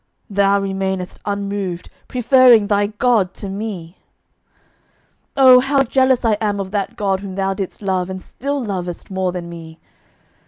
Thou remainedst unmoved, preferring thy God to me! 'Ah, how jealous I am of that God whom thou didst love and still lovest more than me!